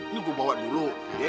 ini gue bawa dulu ya